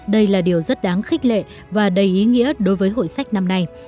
đây là điều rất đáng khích lệ và đầy ý nghĩa đối với hội sách năm nay